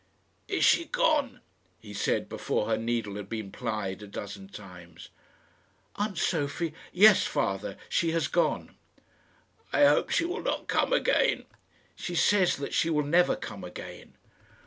"Is she gone?" he said, before her needle had been plied a dozen times. "Aunt Sophie? Yes, father, she has gone." "I hope she will not come again." "She says that she will never come again."